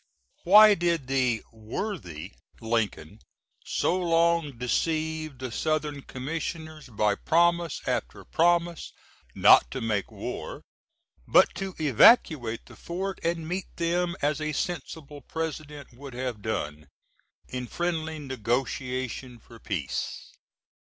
Why did the worthy (?) Lincoln so long deceive the South^rn Commissioners by promise after promise not to make war, but to evacuate the fort, & meet them, as a sensible Pres. would have done, in friendly negotiation for peace?